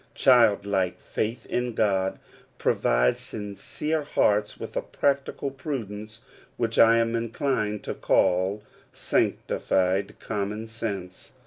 Child like faith in God provides sincere hearts with a practical prudence, which I am inclined to call — sanctified common sense.